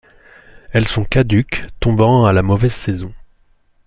Elles sont caduques, tombant à la mauvaise saison.